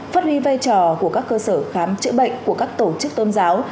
phát huy vai trò của các cơ sở khám chữa bệnh của các tổ chức tôn giáo